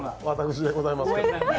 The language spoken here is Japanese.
私でございます。